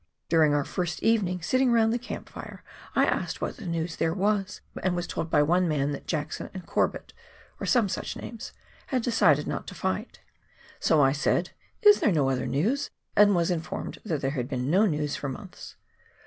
During our first evening, sitting round the camp fire, I asked what news there was, and was told by one man that Jackson and Corbett — or some such names — had decided not to fight. So I said, " Is there no other news?" and was informed that there had been no news for months.